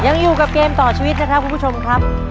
ยังอยู่กับเกมต่อชีวิตนะครับคุณผู้ชมครับ